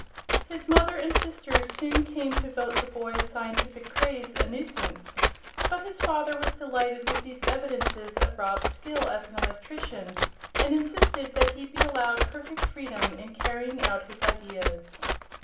His mother and sisters soon came to vote the boy's scientific craze a nuisance; but his father was delighted with these evidences of Rob's skill as an electrician, and insisted that he be allowed perfect freedom in carrying out his ideas.